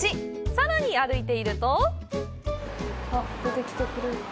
さらに歩いていると。